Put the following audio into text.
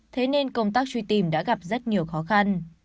thế nên công tác truy tìm đã gặp rất nhiều khó khăn